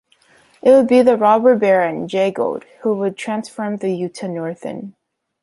It would be the robber baron Jay Gould who would transform the Utah Northern.